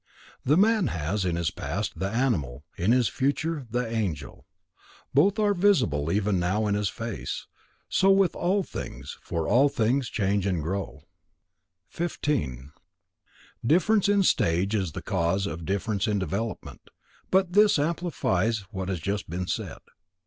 The man has, in his past, the animal; in his future, the angel. Both are visible even now in his face. So with all things, for all things change and grow. 15. Difference in stage is the cause of difference in development. This but amplifies what has just been said.